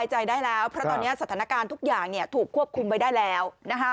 เพราะตอนนี้สถานการณ์ทุกอย่างถูกควบคุมไว้ได้แล้ว